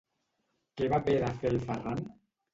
Què va haver de fer el Ferràn?